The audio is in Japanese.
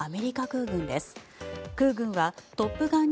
空軍は「トップガン」